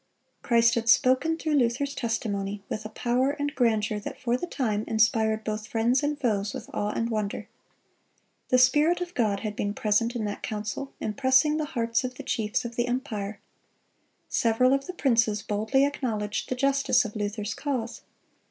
Christ had spoken through Luther's testimony with a power and grandeur that for the time inspired both friends and foes with awe and wonder. The Spirit of God had been present in that council impressing the hearts of the chiefs of the empire. Several of the princes boldly acknowledged the justice of Luther's cause.